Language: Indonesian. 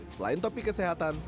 selain topik kesehatan